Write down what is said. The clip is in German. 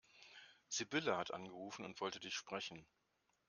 Sibylle hat angerufen und wollte dich sprechen.